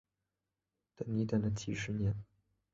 等你等了几十年